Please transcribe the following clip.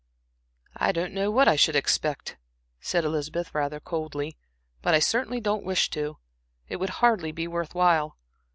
"I don't know what I should expect," said Elizabeth, rather coldly, "but I certainly don't wish to. It would hardly be worth while."